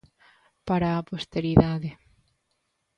Para á posteridade.